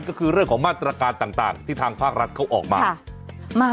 ก็คือเรื่องของมาตรการต่างที่ทางภาครัฐเขาออกมา